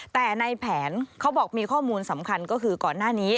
แต่ในแผนเขาบอกมีข้อมูลสำคัญก็คือก่อนหน้านี้